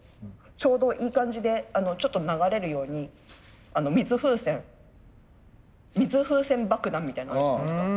ちょうどいい感じでちょっと流れるように水風船水風船爆弾みたいのあるじゃないですか。